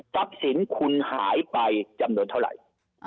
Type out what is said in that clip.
สินคุณหายไปจำนวนเท่าไหร่